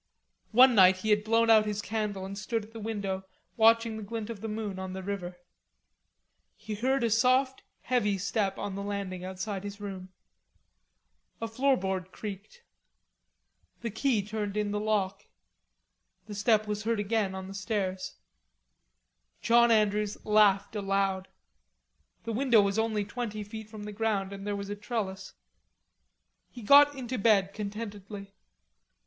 One night he had blown out his candle and stood at the window watching the glint of the moon on the river. He heard a soft heavy step on the landing outside his room. A floorboard creaked, and the key turned in the lock. The step was heard again on the stairs. John Andrews laughed aloud. The window was only twenty feet from the ground, and there was a trellis. He got into bed contentedly.